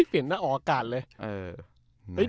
เปลี่ยนหน้าออกอากาศเลย